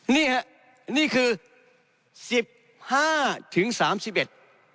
นี่ฮะนี่คือสิบห้าถึงสามสิบเอ็ด